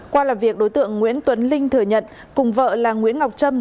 qua làm việc đối tượng nguyễn tuấn linh thừa nhận cùng vợ là nguyễn ngọc trâm